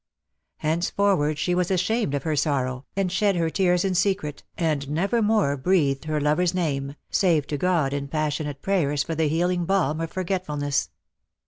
Henceforward she was ashamed of her sorrow, and shed her tears in secret, and never more breathed her lover's name, save to God in passionate prayers for the healing balm of forgetfulness.